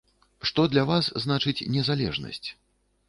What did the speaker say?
Што для вас значыць незалежнасць?